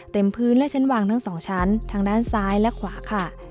เต็มพื้นและชั้นวางทั้งสองชั้นทางด้านซ้ายและขวาค่ะ